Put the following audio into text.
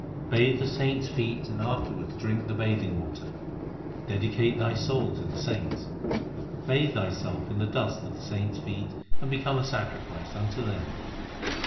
6 Bathe the saints feet and afterwards drink the bathing water ; Dedicate thy soul to the saints ; Bathe thyself in the dust of the saints feet, And become a sacrifice unto them.